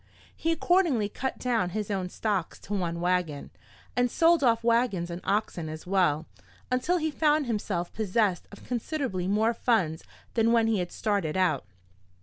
He accordingly cut down his own stocks to one wagon, and sold off wagons and oxen as well, until he found himself possessed of considerably more funds than when he had started out.